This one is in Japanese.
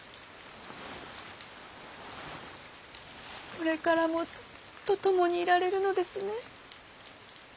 これからもずっと共にいられるのですね。